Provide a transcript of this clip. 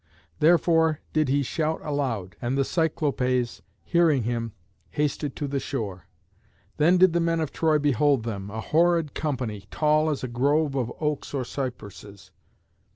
Therefore did he shout aloud, and the Cyclopés hearing him hasted to the shore. Then did the men of Troy behold them, a horrid company, tall as a grove of oaks or cypresses.